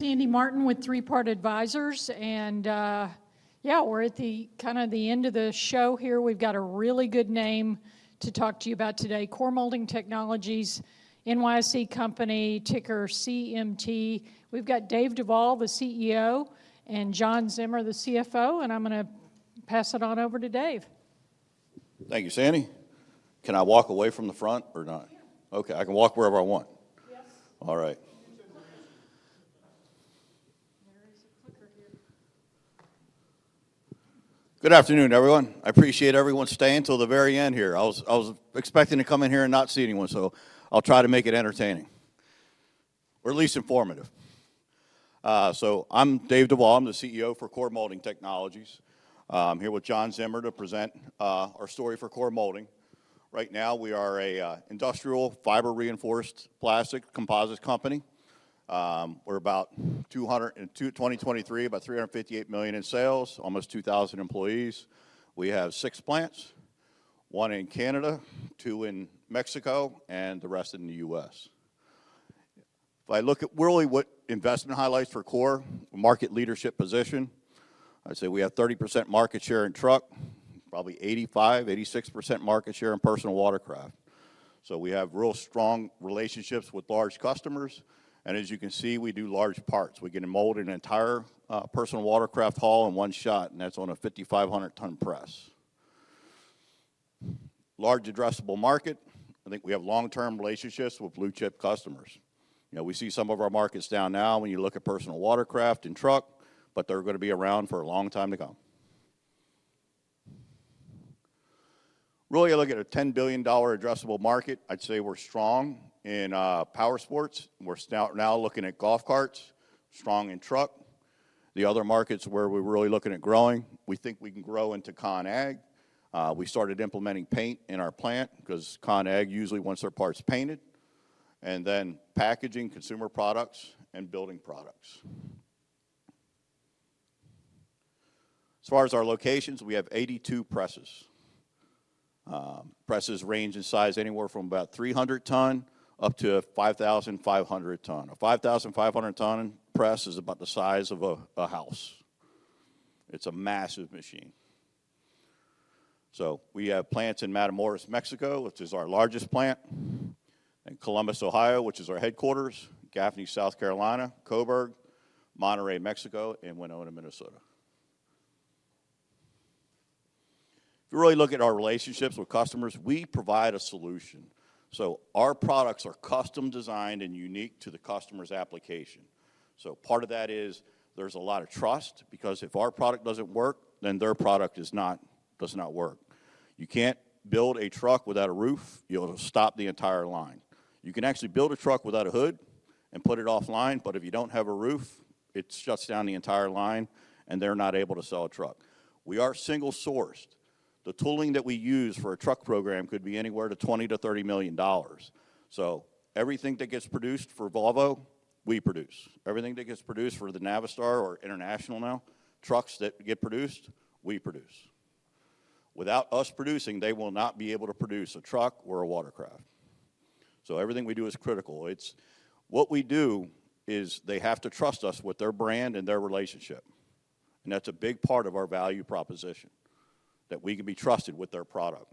Sandy Martin with Three Part Advisors, and yeah, we're at the kind of the end of the show here. We've got a really good name to talk to you about today: Core Molding Technologies, NYSE company, ticker CMT. We've got Dave Duvall, the CEO, and John Zimmer, the CFO, and I'm going to pass it on over to Dave. Thank you, Sandy. Can I walk away from the front or not? Yeah. Okay, I can walk wherever I want. Yes. All right. There is a clicker here. Good afternoon, everyone. I appreciate everyone staying till the very end here. I was expecting to come in here and not see anyone, so I'll try to make it entertaining, or at least informative. So I'm Dave Duvall, I'm the CEO for Core Molding Technologies. I'm here with John Zimmer to present our story for Core Molding. Right now, we are an industrial fiber-reinforced plastic composite company. We're about 2023, about $358 million in sales, almost 2,000 employees. We have six plants, one in Canada, two in Mexico, and the rest in the U.S. If I look at really what investment highlights for Core, the market leadership position, I'd say we have 30% market share in truck, probably 85-86% market share in personal watercraft. So we have real strong relationships with large customers, and as you can see, we do large parts. We can mold an entire personal watercraft hull in one shot, and that's on a 5,500-ton press. Large addressable market, I think we have long-term relationships with blue-chip customers. You know, we see some of our markets down now when you look at personal watercraft and truck, but they're going to be around for a long time to come. Really, I look at a $10 billion addressable market, I'd say we're strong in power sports. We're now looking at golf carts, strong in truck. The other markets where we're really looking at growing, we think we can grow into Con-Ag. We started implementing paint in our plant because Con-Ag usually wants their parts painted, and then packaging, consumer products, and building products. As far as our locations, we have 82 presses. Presses range in size anywhere from about 300-ton up to 5,500-ton. A 5,500-ton press is about the size of a house. It's a massive machine. So we have plants in Matamoros, Mexico, which is our largest plant, and Columbus, Ohio, which is our headquarters, Gaffney, South Carolina, Cobourg, Monterrey, Mexico, and Winona, Minnesota. If you really look at our relationships with customers, we provide a solution. So our products are custom-designed and unique to the customer's application. So part of that is there's a lot of trust because if our product doesn't work, then their product does not work. You can't build a truck without a roof. You'll stop the entire line. You can actually build a truck without a hood and put it offline, but if you don't have a roof, it shuts down the entire line, and they're not able to sell a truck. We are single-sourced. The tooling that we use for a truck program could be anywhere to $20-$30 million. So everything that gets produced for Volvo, we produce. Everything that gets produced for the Navistar or International now, trucks that get produced, we produce. Without us producing, they will not be able to produce a truck or a watercraft. So everything we do is critical. What we do is they have to trust us with their brand and their relationship, and that's a big part of our value proposition, that we can be trusted with their product.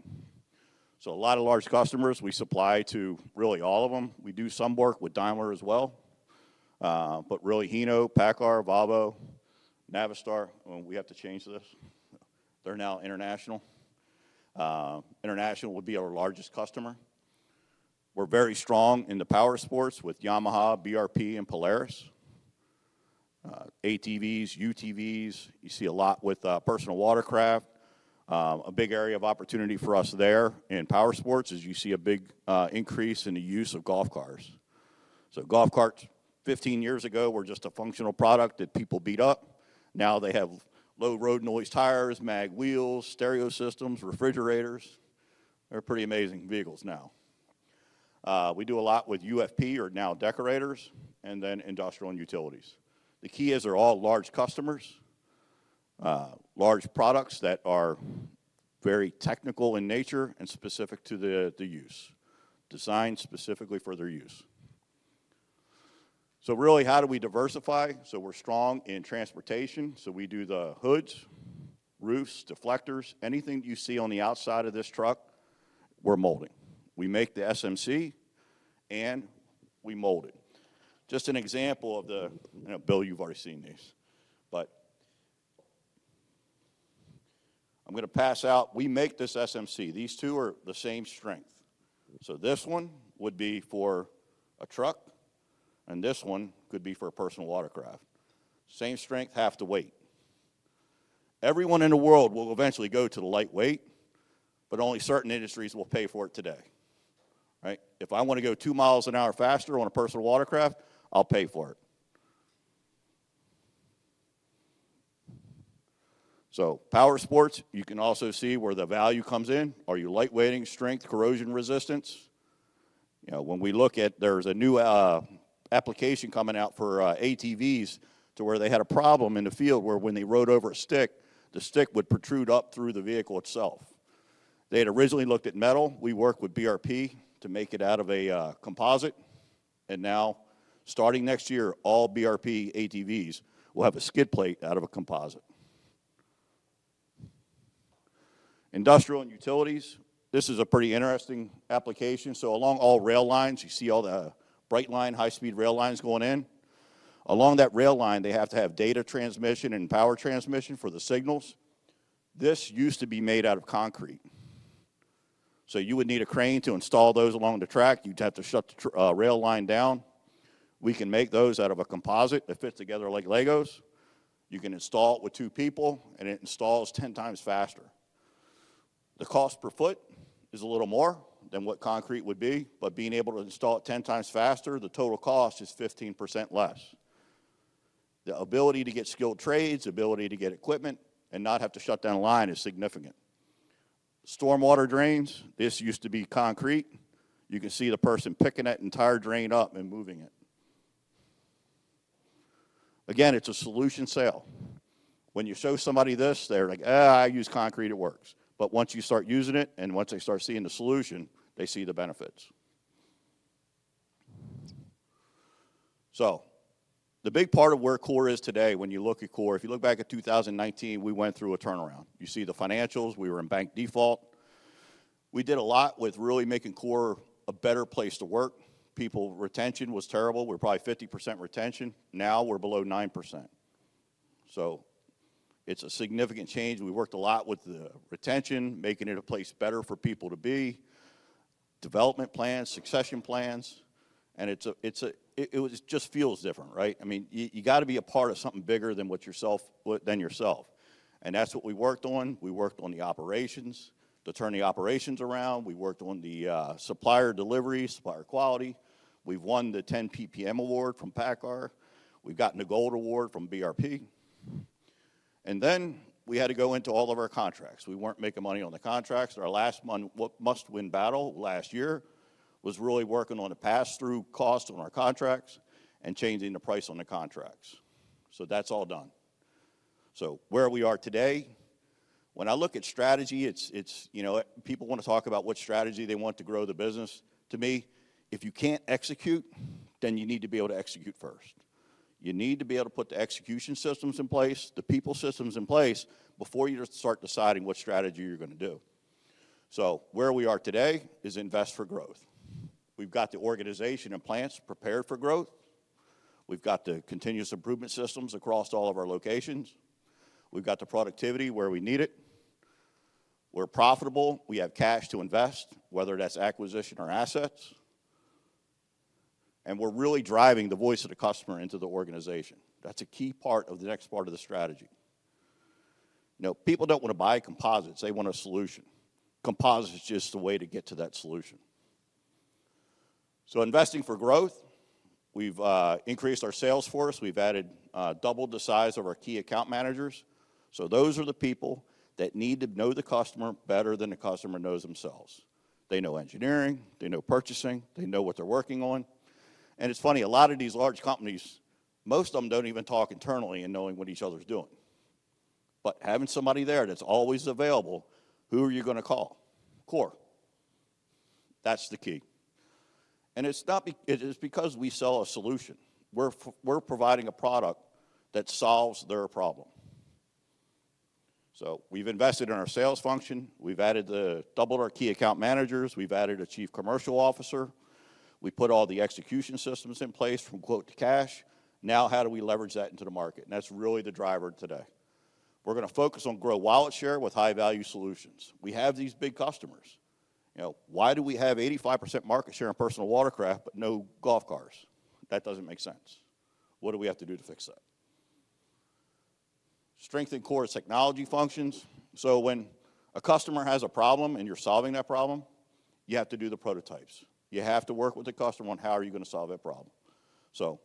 So a lot of large customers, we supply to really all of them. We do some work with Daimler as well, but really Hino, PACCAR, Volvo, Navistar, we have to change this. They're now International. International would be our largest customer. We're very strong in the power sports with Yamaha, BRP, and Polaris, ATVs, UTVs. You see a lot with personal watercraft. A big area of opportunity for us there in power sports is you see a big increase in the use of golf carts. Golf carts, 15 years ago, were just a functional product that people beat up. Now they have low road noise tires, mag wheels, stereo systems, refrigerators. They're pretty amazing vehicles now. We do a lot with UFP, or now Deckorators, and then Industrial and Utilities. The key is they're all large customers, large products that are very technical in nature and specific to the use, designed specifically for their use. Really, how do we diversify? We're strong in transportation. We do the hoods, roofs, deflectors, anything you see on the outside of this truck, we're molding. We make the SMC, and we mold it. Just an example of the, you know, Bill. You've already seen these, but I'm going to pass out. We make this SMC. These two are the same strength. So this one would be for a truck, and this one could be for a personal watercraft. Same strength, half the weight. Everyone in the world will eventually go to the lightweight, but only certain industries will pay for it today. Right? If I want to go two miles an hour faster on a personal watercraft, I'll pay for it. So power sports, you can also see where the value comes in. Are you lightweighting, strength, corrosion resistance? You know, when we look at, there's a new application coming out for ATVs to where they had a problem in the field where when they rode over a stick, the stick would protrude up through the vehicle itself. They had originally looked at metal. We worked with BRP to make it out of a composite, and now starting next year, all BRP ATVs will have a skid plate out of a composite. Industrial and utilities, this is a pretty interesting application. So along all rail lines, you see all the Brightline high-speed rail lines going in. Along that rail line, they have to have data transmission and power transmission for the signals. This used to be made out of concrete. So you would need a crane to install those along the track. You'd have to shut the rail line down. We can make those out of a composite that fits together like Legos. You can install it with two people, and it installs 10 times faster. The cost per foot is a little more than what concrete would be, but being able to install it 10 times faster, the total cost is 15% less. The ability to get skilled trades, ability to get equipment, and not have to shut down a line is significant. Stormwater drains. This used to be concrete. You can see the person picking that entire drain up and moving it. Again, it's a solution sale. When you show somebody this, they're like, "I use concrete, it works." But once you start using it, and once they start seeing the solution, they see the benefits. So the big part of where Core is today, when you look at Core, if you look back at 2019, we went through a turnaround. You see the financials, we were in bank default. We did a lot with really making Core a better place to work. People's retention was terrible. We were probably 50% retention. Now we're below 9%. So it's a significant change. We worked a lot with the retention, making it a place better for people to be, development plans, succession plans, and it just feels different, right? I mean, you got to be a part of something bigger than yourself, and that's what we worked on. We worked on the operations, to turn the operations around. We worked on the supplier deliveries, supplier quality. We've won the 10 PPM award from PACCAR. We've gotten a gold award from BRP. And then we had to go into all of our contracts. We weren't making money on the contracts. Our last must-win battle last year was really working on the pass-through cost on our contracts and changing the price on the contracts. So that's all done. So where we are today, when I look at strategy, it's, you know, people want to talk about what strategy they want to grow the business. To me, if you can't execute, then you need to be able to execute first. You need to be able to put the execution systems in place, the people systems in place before you start deciding what strategy you're going to do. So where we are today is invest for growth. We've got the organization and plants prepared for growth. We've got the continuous improvement systems across all of our locations. We've got the productivity where we need it. We're profitable. We have cash to invest, whether that's acquisition or assets. And we're really driving the voice of the customer into the organization. That's a key part of the next part of the strategy. You know, people don't want to buy composites. They want a solution. Composite is just the way to get to that solution. So investing for growth, we've increased our sales force. We've added, doubled the size of our key account managers. So those are the people that need to know the customer better than the customer knows themselves. They know engineering. They know purchasing. They know what they're working on. And it's funny, a lot of these large companies, most of them don't even talk internally in knowing what each other's doing. But having somebody there that's always available, who are you going to call? Core. That's the key. And it's because we sell a solution. We're providing a product that solves their problem. So we've invested in our sales function. We've added a chief commercial officer. We put all the execution systems in place from quote to cash. Now how do we leverage that into the market, and that's really the driver today. We're going to focus on grow wallet share with high-value solutions. We have these big customers. You know, why do we have 85% market share in personal watercraft but no golf carts? That doesn't make sense. What do we have to do to fix that? Strengthen Core's technology functions, so when a customer has a problem and you're solving that problem, you have to do the prototypes. You have to work with the customer on how are you going to solve that problem. So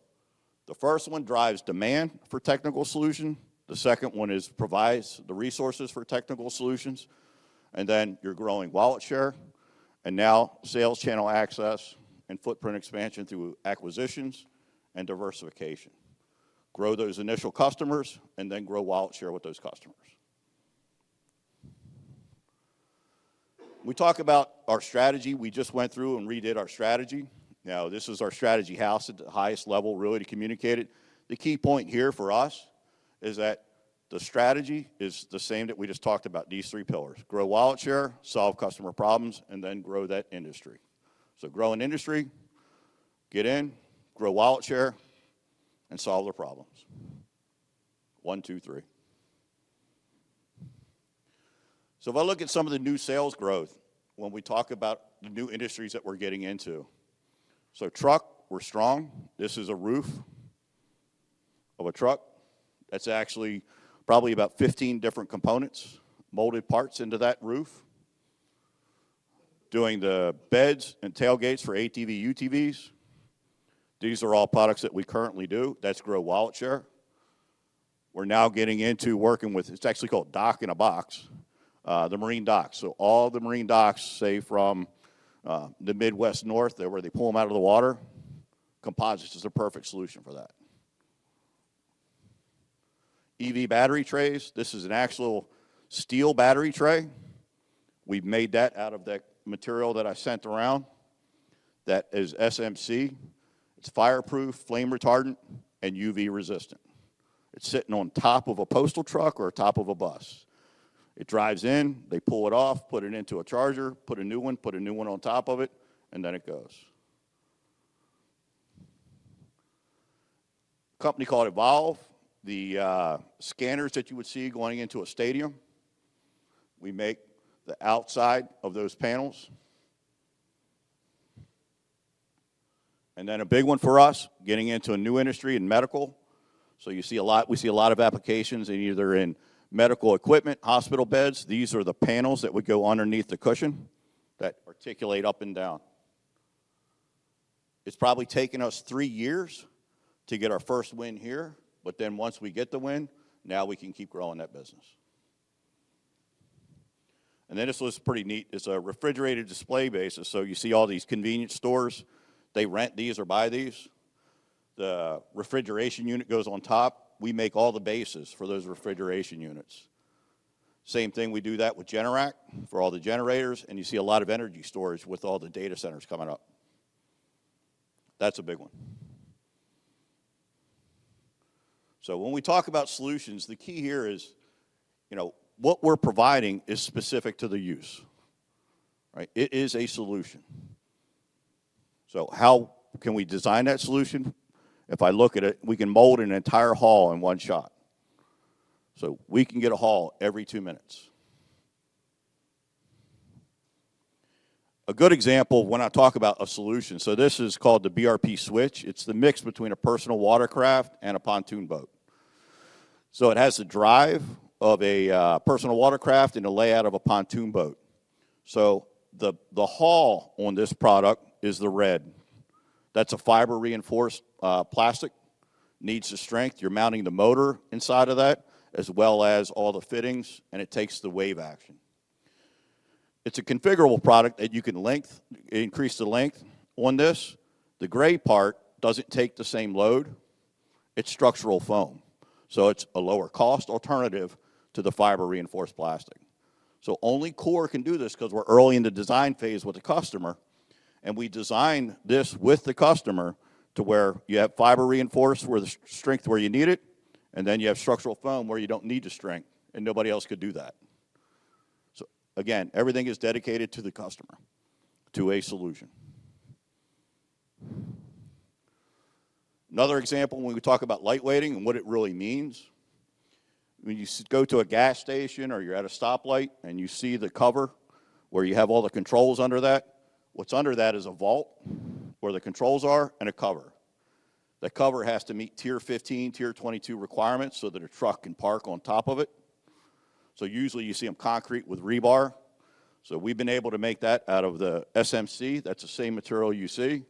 the first one drives demand for technical solution. The second one is provides the resources for technical solutions, and then you're growing wallet share, and now sales channel access and footprint expansion through acquisitions and diversification. Grow those initial customers and then grow wallet share with those customers. We talk about our strategy. We just went through and redid our strategy. Now this is our strategy house at the highest level really to communicate it. The key point here for us is that the strategy is the same that we just talked about, these three pillars: grow wallet share, solve customer problems, and then grow that industry. So grow an industry, get in, grow wallet share, and solve their problems. One, two, three. So if I look at some of the new sales growth, when we talk about the new industries that we're getting into, so truck, we're strong. This is a roof of a truck. That's actually probably about 15 different components, molded parts into that roof. Doing the beds and tailgates for ATV, UTVs. These are all products that we currently do. That's grow wallet share. We're now getting into working with; it's actually called DockinaBox, the marine docks, so all the marine docks, say from the Midwest North, where they pull them out of the water, composites is a perfect solution for that. EV battery trays. This is an actual steel battery tray. We've made that out of that material that I sent around. That is SMC. It's fireproof, flame retardant, and UV resistant. It's sitting on top of a postal truck or top of a bus. It drives in, they pull it off, put it into a charger, put a new one, put a new one on top of it, and then it goes. Company called Evolv, the scanners that you would see going into a stadium. We make the outside of those panels, and then a big one for us, getting into a new industry in medical. So you see a lot. We see a lot of applications in either in medical equipment, hospital beds. These are the panels that would go underneath the cushion that articulate up and down. It's probably taken us three years to get our first win here, but then once we get the win, now we can keep growing that business. And then this was pretty neat. It's a refrigerated display base. So you see all these convenience stores. They rent these or buy these. The refrigeration unit goes on top. We make all the bases for those refrigeration units. Same thing, we do that with Generac for all the generators, and you see a lot of energy storage with all the data centers coming up. That's a big one. So when we talk about solutions, the key here is, you know, what we're providing is specific to the use. Right? It is a solution. So how can we design that solution? If I look at it, we can mold an entire hull in one shot. So we can get a hull every two minutes. A good example when I talk about a solution, so this is called the BRP Switch. It's the mix between a personal watercraft and a pontoon boat. So it has the drive of a personal watercraft and a layout of a pontoon boat. So the hull on this product is the red. That's a fiber-reinforced plastic. Needs the strength. You're mounting the motor inside of that, as well as all the fittings, and it takes the wave action. It's a configurable product that you can lengthen, increase the length on this. The gray part doesn't take the same load. It's structural foam. So it's a lower-cost alternative to the fiber-reinforced plastic. So only Core can do this because we're early in the design phase with the customer, and we design this with the customer to where you have fiber-reinforced where the strength where you need it, and then you have structural foam where you don't need the strength, and nobody else could do that. So again, everything is dedicated to the customer, to a solution. Another example when we talk about lightweighting and what it really means, when you go to a gas station or you're at a stoplight and you see the cover where you have all the controls under that, what's under that is a vault where the controls are and a cover. The cover has to meet Tier 15, Tier 22 requirements so that a truck can park on top of it. So usually you see them concrete with rebar. So we've been able to make that out of the SMC. That's the same material you see.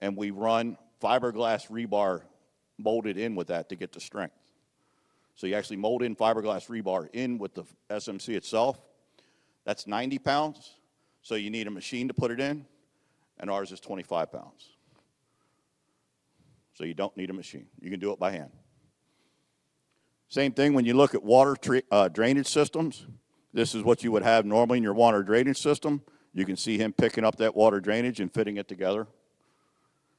And we run fiberglass rebar molded in with that to get the strength. So you actually mold in fiberglass rebar in with the SMC itself. That's 90 pounds. So you need a machine to put it in, and ours is 25 pounds. So you don't need a machine. You can do it by hand. Same thing when you look at water drainage systems. This is what you would have normally in your water drainage system. You can see him picking up that water drainage and fitting it together.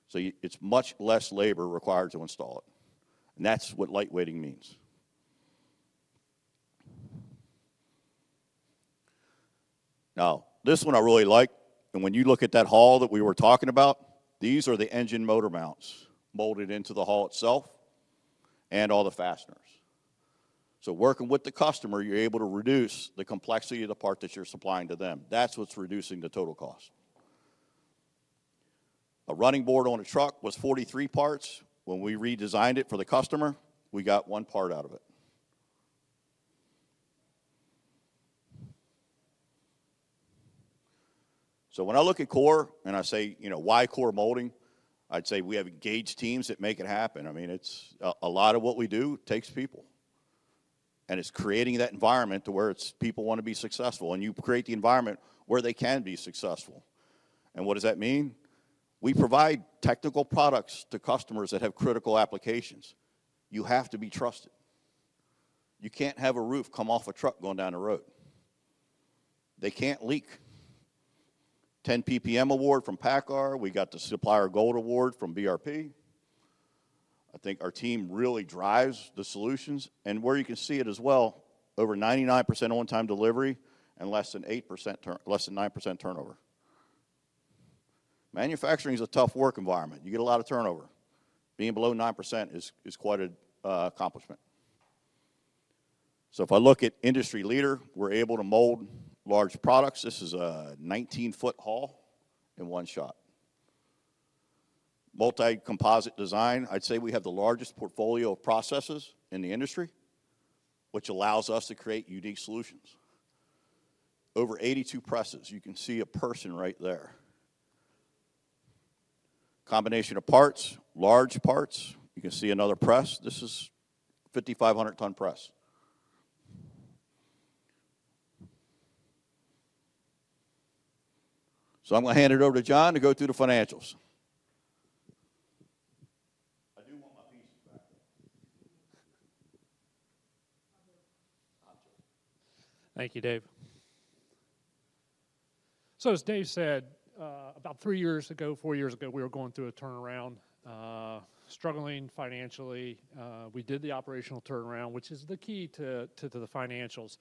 So it's much less labor required to install it. And that's what lightweighting means. Now, this one I really like. And when you look at that hull that we were talking about, these are the engine motor mounts molded into the hull itself and all the fasteners. So working with the customer, you're able to reduce the complexity of the part that you're supplying to them. That's what's reducing the total cost. A running board on a truck was 43 parts. When we redesigned it for the customer, we got one part out of it. So when I look at Core and I say, you know, why Core Molding, I'd say we have engaged teams that make it happen. I mean, it's a lot of what we do takes people. And it's creating that environment to where people want to be successful. And you create the environment where they can be successful. And what does that mean? We provide technical products to customers that have critical applications. You have to be trusted. You can't have a roof come off a truck going down the road. They can't leak. 10 PPM award from PACCAR. We got the Supplier Gold Award from BRP. I think our team really drives the solutions, and where you can see it as well, over 99% on-time delivery and less than 8%, less than 9% turnover. Manufacturing is a tough work environment. You get a lot of turnover. Being below 9% is quite an accomplishment. If I look at industry leader, we're able to mold large products. This is a 19-foot haul in one shot. Multi-composite design. I'd say we have the largest portfolio of processes in the industry, which allows us to create unique solutions. Over 82 presses. You can see a person right there. Combination of parts, large parts. You can see another press. This is a 5,500-ton press. I'm going to hand it over to John to go through the financials. I do want my piece back. Thank you, Dave. As Dave said, about three years ago, four years ago, we were going through a turnaround, struggling financially. We did the operational turnaround, which is the key to the financials.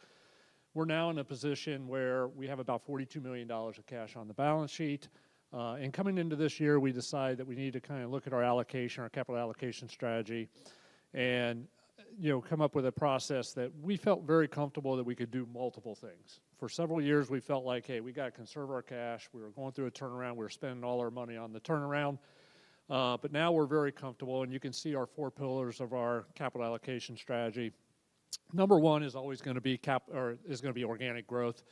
We're now in a position where we have about $42 million of cash on the balance sheet, and coming into this year, we decided that we need to kind of look at our allocation, our capital allocation strategy, and, you know, come up with a process that we felt very comfortable that we could do multiple things. For several years, we felt like, hey, we got to conserve our cash. We were going through a turnaround. We were spending all our money on the turnaround, but now we're very comfortable. You can see our four pillars of our capital allocation strategy. Number one is always going to be CapEx, or is going to be organic growth.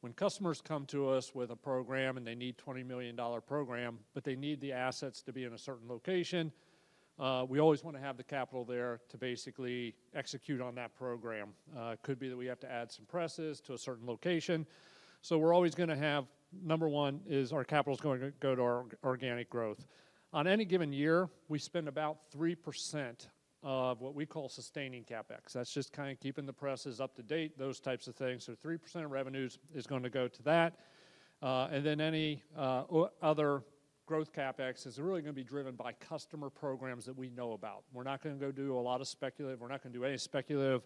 When customers come to us with a program and they need a $20 million program, but they need the assets to be in a certain location, we always want to have the capital there to basically execute on that program. It could be that we have to add some presses to a certain location. So we're always going to have, number one is our capital is going to go to our organic growth. On any given year, we spend about 3% of what we call sustaining CapEx. That's just kind of keeping the presses up to date, those types of things. So 3% of revenues is going to go to that. And then any other growth CapEx is really going to be driven by customer programs that we know about. We're not going to go do a lot of speculative. We're not going to do any speculative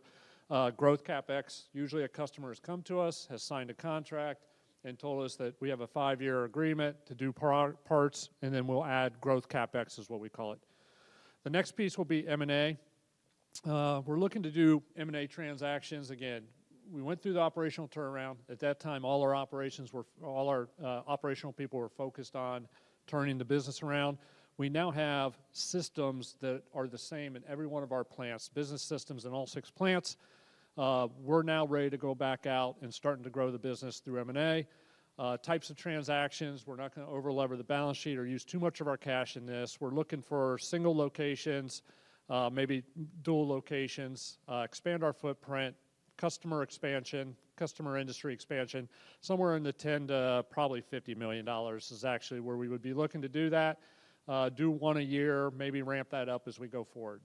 growth CapEx. Usually a customer has come to us, has signed a contract and told us that we have a five-year agreement to do parts, and then we'll add growth CapEx is what we call it. The next piece will be M&A. We're looking to do M&A transactions. Again, we went through the operational turnaround. At that time, all our operations were, all our operational people were focused on turning the business around. We now have systems that are the same in every one of our plants, business systems in all six plants. We're now ready to go back out and starting to grow the business through M&A. Types of transactions, we're not going to over-lever the balance sheet or use too much of our cash in this. We're looking for single locations, maybe dual locations, expand our footprint, customer expansion, customer industry expansion. Somewhere in the $10 million to probably $50 million is actually where we would be looking to do that. Do one a year, maybe ramp that up as we go forward.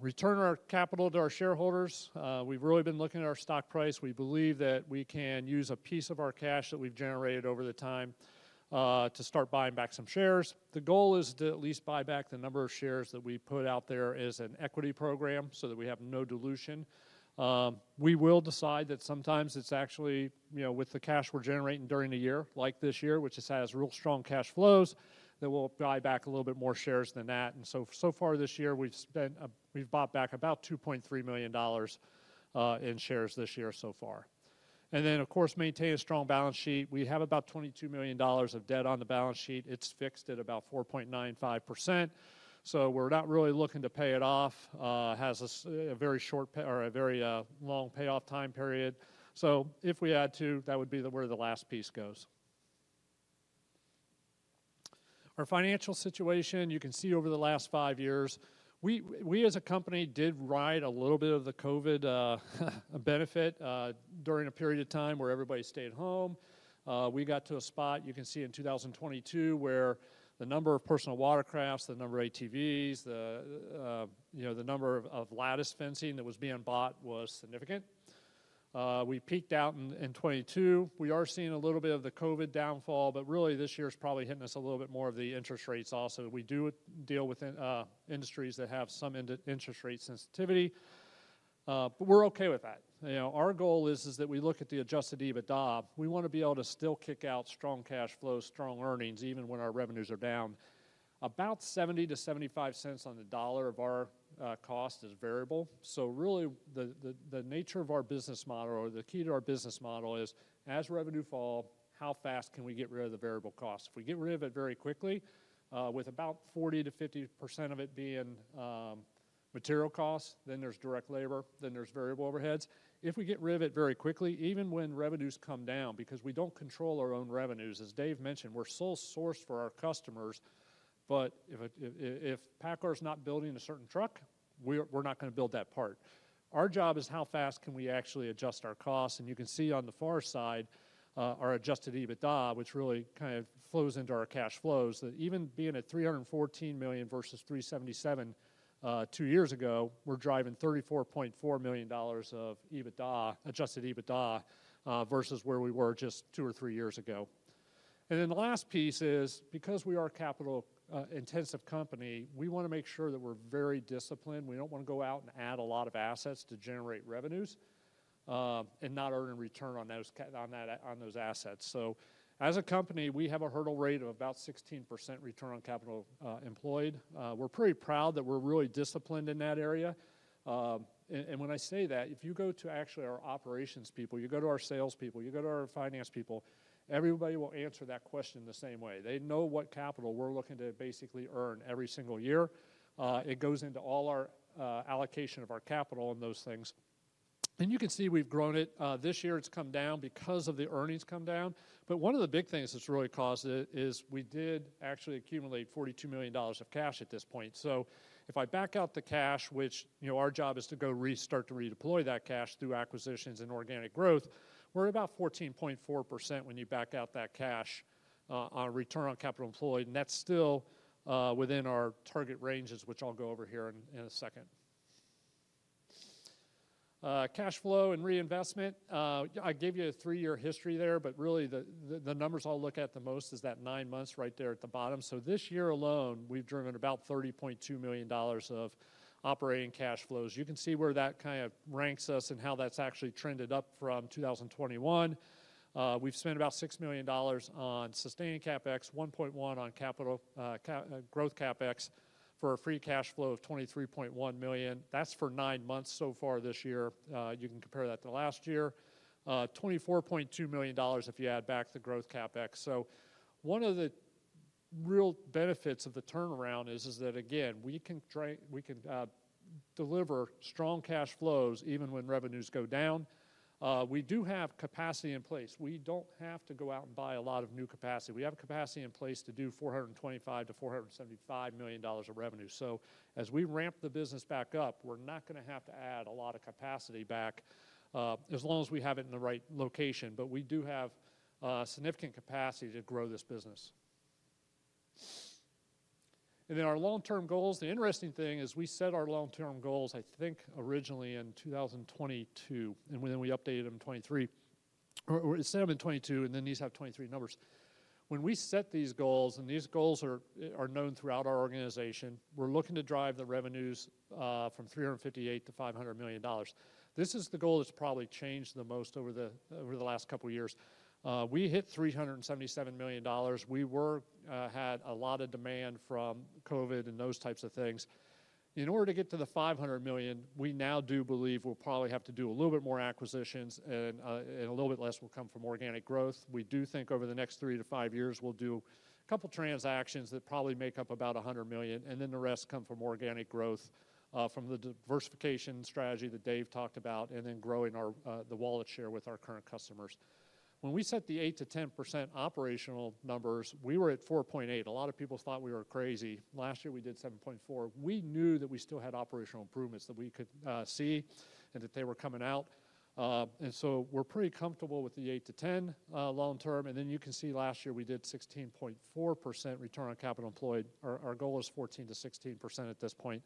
Return our capital to our shareholders. We've really been looking at our stock price. We believe that we can use a piece of our cash that we've generated over the time to start buying back some shares. The goal is to at least buy back the number of shares that we put out there as an equity program so that we have no dilution. We will decide that sometimes it's actually, you know, with the cash we're generating during the year, like this year, which has real strong cash flows, that we'll buy back a little bit more shares than that. And so far this year, we've spent, we've bought back about $2.3 million in shares this year so far. And then, of course, maintain a strong balance sheet. We have about $22 million of debt on the balance sheet. It's fixed at about 4.95%. So we're not really looking to pay it off. It has a very short or a very long payoff time period. So if we add to that, that would be where the last piece goes. Our financial situation, you can see over the last five years, we as a company did ride a little bit of the COVID benefit during a period of time where everybody stayed home. We got to a spot. You can see in 2022, where the number of personal watercrafts, the number of ATVs, the, you know, the number of lattice fencing that was being bought was significant. We peaked out in 2022. We are seeing a little bit of the COVID downfall, but really this year's probably hitting us a little bit more of the interest rates also. We do deal with industries that have some interest rate sensitivity, but we're okay with that. You know, our goal is that we look at the Adjusted EBITDA. We want to be able to still kick out strong cash flows, strong earnings, even when our revenues are down. About 70-75 cents on the dollar of our cost is variable. The nature of our business model, or the key to our business model, is, as revenue falls, how fast can we get rid of the variable costs? If we get rid of it very quickly, with about 40%-50% of it being material costs, then there's direct labor, then there's variable overheads. If we get rid of it very quickly, even when revenues come down, because we don't control our own revenues, as Dave mentioned, we're sole source for our customers, but if PACCAR's not building a certain truck, we're not going to build that part. Our job is how fast can we actually adjust our costs? You can see on the far side, our adjusted EBITDA, which really kind of flows into our cash flows, that even being at $314 million versus $377 million two years ago, we're driving $34.4 million of EBITDA, adjusted EBITDA, versus where we were just two or three years ago. And then the last piece is, because we are a capital-intensive company, we want to make sure that we're very disciplined. We don't want to go out and add a lot of assets to generate revenues and not earn a return on those assets. So as a company, we have a hurdle rate of about 16% return on capital employed. We're pretty proud that we're really disciplined in that area. When I say that, if you go to actually our operations people, you go to our salespeople, you go to our finance people, everybody will answer that question the same way. They know what capital we're looking to basically earn every single year. It goes into all our allocation of our capital and those things. And you can see we've grown it. This year it's come down because of the earnings come down. But one of the big things that's really caused it is we did actually accumulate $42 million of cash at this point. So if I back out the cash, which, you know, our job is to go restart to redeploy that cash through acquisitions and organic growth, we're about 14.4% when you back out that cash on return on capital employed. And that's still within our target ranges, which I'll go over here in a second. Cash flow and reinvestment. I gave you a three-year history there, but really the numbers I'll look at the most is that nine months right there at the bottom. So this year alone, we've driven about $30.2 million of operating cash flows. You can see where that kind of ranks us and how that's actually trended up from 2021. We've spent about $6 million on sustaining CapEx, $1.1 million on capital growth CapEx for a free cash flow of $23.1 million. That's for nine months so far this year. You can compare that to last year, $24.2 million if you add back the growth CapEx. So one of the real benefits of the turnaround is that, again, we can deliver strong cash flows even when revenues go down. We do have capacity in place. We don't have to go out and buy a lot of new capacity. We have capacity in place to do $425-$475 million of revenue, so as we ramp the business back up, we're not going to have to add a lot of capacity back as long as we have it in the right location, but we do have significant capacity to grow this business, and then our long-term goals, the interesting thing is we set our long-term goals, I think originally in 2022, and then we updated them in 2023. We set them in 2022, and then these have 2023 numbers. When we set these goals, and these goals are known throughout our organization, we're looking to drive the revenues from $358-$500 million. This is the goal that's probably changed the most over the last couple of years. We hit $377 million. We had a lot of demand from COVID and those types of things. In order to get to the $500 million, we now do believe we'll probably have to do a little bit more acquisitions, and a little bit less will come from organic growth. We do think over the next three to five years, we'll do a couple of transactions that probably make up about $100 million, and then the rest come from organic growth from the diversification strategy that Dave talked about, and then growing the wallet share with our current customers. When we set the 8%-10% operational numbers, we were at 4.8%. A lot of people thought we were crazy. Last year, we did 7.4%. We knew that we still had operational improvements that we could see and that they were coming out, and so we're pretty comfortable with the 8%-10% long-term, and then you can see last year we did 16.4% return on capital employed. Our goal is 14%-16% at this point.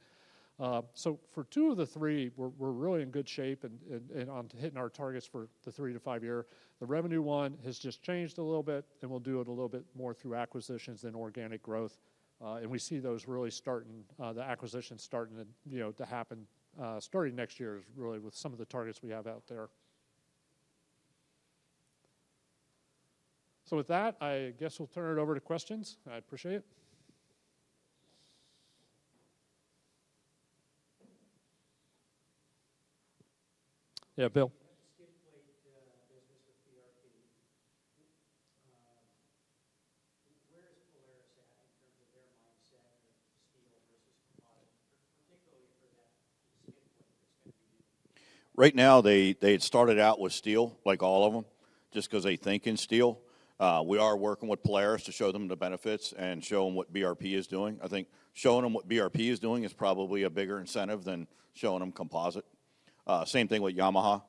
So for two of the three, we're really in good shape and on hitting our targets for the three- to five-year. The revenue one has just changed a little bit, and we'll do it a little bit more through acquisitions than organic growth. And we see those really starting, the acquisitions starting to happen starting next year is really with some of the targets we have out there. So with that, I guess we'll turn it over to questions. I appreciate it. Yeah, Bill. That lightweight business with BRP, where is Polaris at in terms of their mindset of steel versus composite, particularly for that lightweight that's going to be needed? Right now, they had started out with steel, like all of them, just because they think in steel. We are working with Polaris to show them the benefits and show them what BRP is doing. I think showing them what BRP is doing is probably a bigger incentive than showing them composite. Same thing with Yamaha.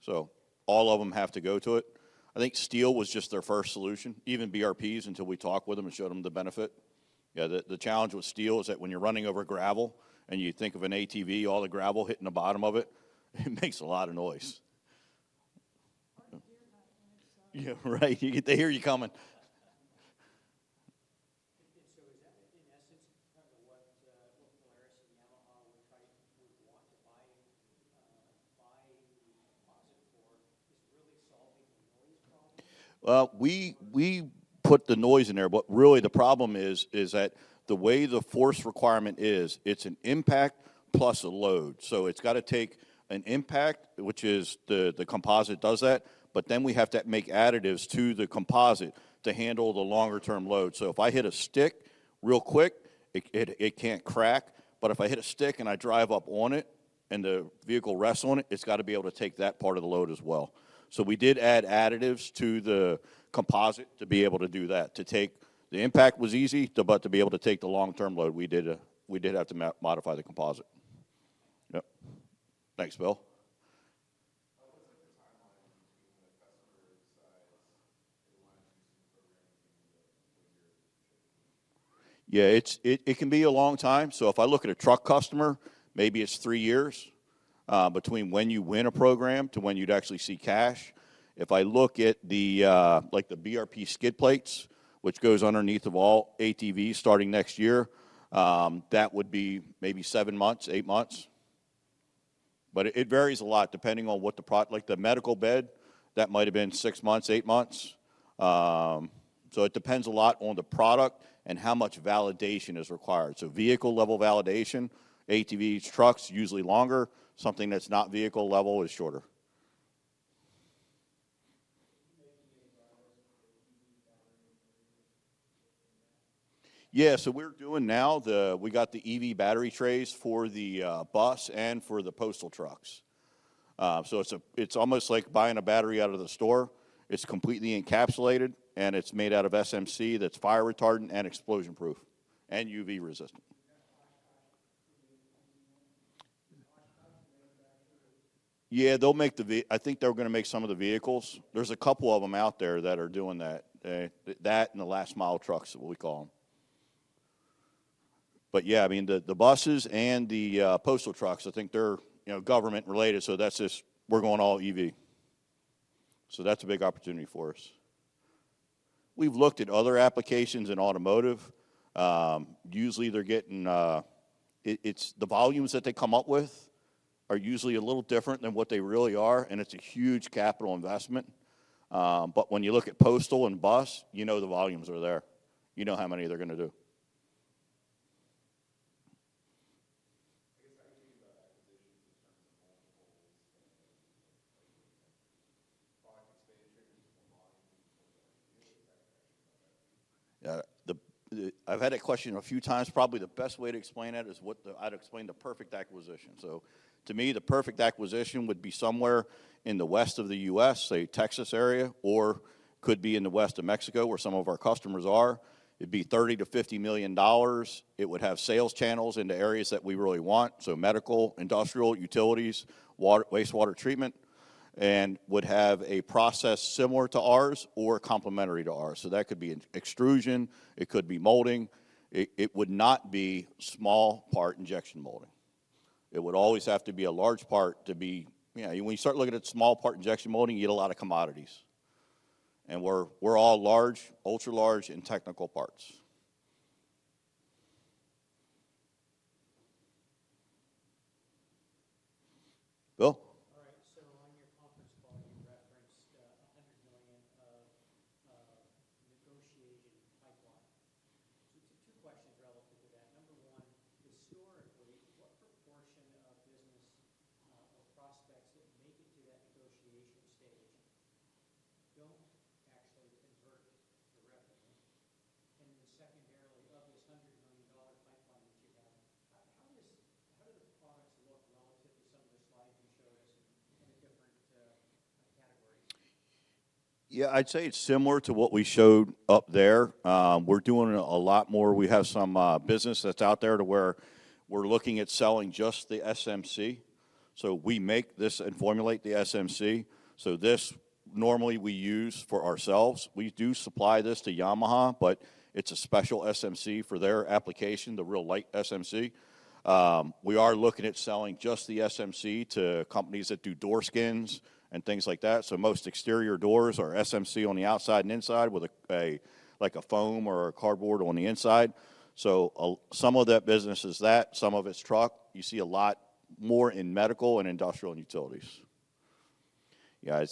So all of them have to go to it. I think steel was just their first solution. Even BRP's, until we talked with them and showed them the benefit. Yeah, the challenge with steel is that when you're running over gravel and you think of an ATV, all the gravel hitting the bottom of it, it makes a lot of noise. Right, they hear you coming. And so is that in essence kind of what Polaris and Yamaha would want to buy composite for, is really solving the noise problem? We put the noise in there, but really the problem is that the way the force requirement is, it's an impact plus a load. It's got to take an impact, which is the composite does that, but then we have to make additives to the composite to handle the longer-term load. If I hit a stick real quick, it can't crack, but if I hit a stick and I drive up on it and the vehicle rests on it, it's got to be able to take that part of the load as well. We did add additives to the composite to be able to do that, to take the impact was easy, but to be able to take the long-term load, we did have to modify the composite. Yep. Thanks, Bill. What's the timeline between the customer's size? They want to do some programming in the one-year shape. Yeah, it can be a long time. So if I look at a truck customer, maybe it's three years between when you win a program to when you'd actually see cash. If I look at the BRP skid plates, which goes underneath of all ATVs starting next year, that would be maybe seven months, eight months. But it varies a lot depending on what the product, like the medical bed, that might have been six months, eight months. So it depends a lot on the product and how much validation is required. So vehicle-level validation, ATVs, trucks, usually longer. Something that's not vehicle-level is shorter. You're making progress for EV battery trays in that? Yeah, so we're doing now, we got the EV battery trays for the bus and for the postal trucks. So it's almost like buying a battery out of the store. It's completely encapsulated and it's made out of SMC that's fire retardant and explosion-proof and UV resistant. Yeah, they'll make the, I think they're going to make some of the vehicles. There's a couple of them out there that are doing that, that and the last mile trucks, what we call them. But yeah, I mean, the buses and the postal trucks, I think they're government-related, so that's just, we're going all EV. So that's a big opportunity for us. We've looked at other applications in automotive. Usually they're getting, it's the volumes that they come up with are usually a little different than what they really are, and it's a huge capital investment. But when you look at postal and bus, you know the volumes are there. You know how many they're going to do. I guess how do you think about acquisitions in terms of multiples and product expansions, the volumes of the idea? Is that actually about that? Yeah, I've had that question a few times. Probably the best way to explain it is, I'd explain the perfect acquisition. So to me, the perfect acquisition would be somewhere in the west of the U.S., say Texas area, or could be in the west of Mexico where some of our customers are. It'd be $30-$50 million. It would have sales channels into areas that we really want, so medical, industrial, utilities, wastewater treatment, and would have a process similar to ours or complementary to ours. So that could be extrusion, it could be molding. It would not be small part injection molding. It would always have to be a large part to be, yeah, when you start looking at small part injection molding, you get a lot of commodities. And we're all large, ultra-large in technical parts. Bill? All right, so on your conference call, you referenced $100 million of negotiated pipeline. So two questions relative to that. Number one, historically, what proportion of business or prospects that make it to that negotiation stage don't actually convert the revenue? And then secondarily, of this $100 million pipeline that you have, how do the products look relative to some of the slides you showed us in the different categories? Yeah, I'd say it's similar to what we showed up there. We're doing a lot more. We have some business that's out there to where we're looking at selling just the SMC. So we make this and formulate the SMC. So this normally we use for ourselves. We do supply this to Yamaha, but it's a special SMC for their application, the real light SMC. We are looking at selling just the SMC to companies that do door skins and things like that. So most exterior doors are SMC on the outside and inside with a foam or a cardboard on the inside. So some of that business is that, some of it's truck. You see a lot more in medical and industrial and utilities. Yeah,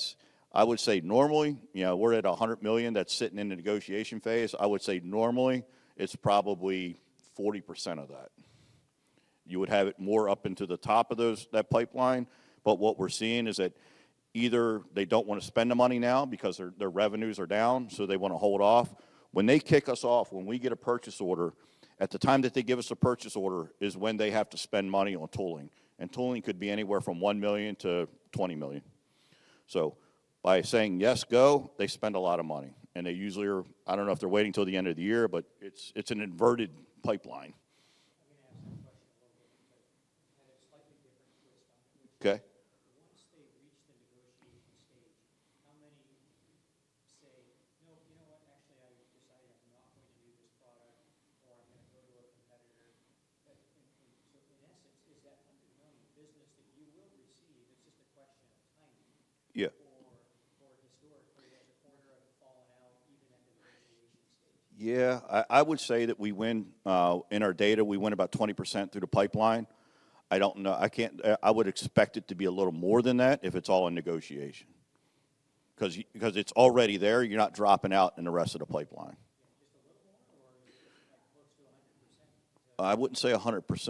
I would say normally, yeah, we're at $100 million that's sitting in the negotiation phase. I would say normally it's probably 40% of that. You would have it more up into the top of that pipeline. But what we're seeing is that either they don't want to spend the money now because their revenues are down, so they want to hold off. When they kick us off, when we get a purchase order, at the time that they give us a purchase order is when they have to spend money on tooling, and tooling could be anywhere from $1 million-$20 million, so by saying, "Yes, go," they spend a lot of money, and they usually are. I don't know if they're waiting until the end of the year, but it's an inverted pipeline.